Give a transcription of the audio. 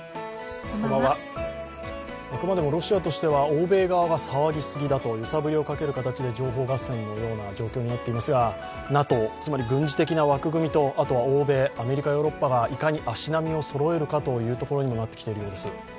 あくまでもロシアとしては欧米側が騒ぎすぎだと揺さぶりをかける形で情報合戦のような形になっていますがＮＡＴＯ、軍事的枠組みと、欧米アメリカ、ヨーロッパがいかに足並みをそろえるかというところにもなってきているようです。